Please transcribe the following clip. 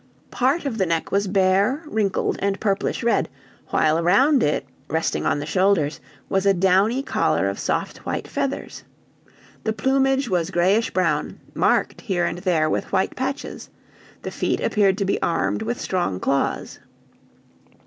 Part of the neck was bare, wrinkled, and purplish red, while around it, resting on the shoulders, was a downy collar of soft, white feathers. The plumage was grayish brown, marked here and there with white patches; the feet appeared to be armed with strong claws.